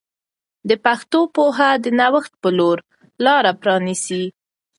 د پښتو پوهه د نوښت په لور لاره پرانیسي.